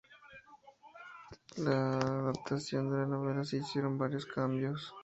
En la adaptación de la novela se hicieron varios cambios.